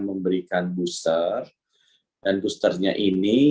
memberikan booster dan boosternya ini